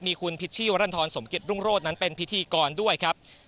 มีคุณพิชชี่วรรณฑรสมกิจรุ่งโรธนั้นเป็นพิธีกรด้วยครับ